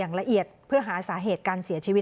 สิ่งเด็กร้องแบบนี้